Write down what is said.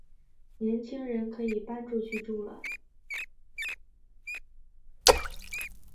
年轻人可以搬出去住了